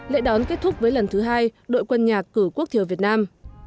lễ đón kết thúc với lần thứ hai đội quân nhạc cử quốc thiều việt nam